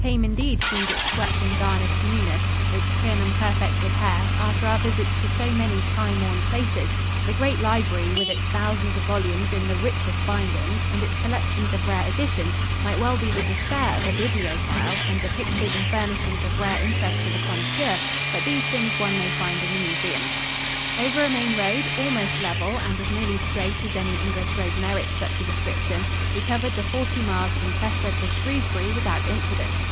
Tame indeed seemed its swept and garnished newness, its trim and perfect repair, after our visits to so many time worn places, with their long succession of hoary traditions. The great library, with its thousands of volumes in the richest bindings and its collections of rare editions, might well be the despair of a bibliophile and the pictures and furnishings of rare interest to the connoisseur but these things one may find in the museums. Over a main road, almost level and as nearly straight as any English road merits such a description, we covered the forty miles from Chester to Shrewsbury without incident.